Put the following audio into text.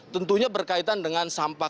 tentunya berkaitan dengan sampah